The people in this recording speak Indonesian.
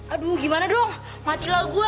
aduh gimana dong matilah gue